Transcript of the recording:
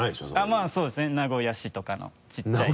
まぁそうですね名古屋市とかの小さい。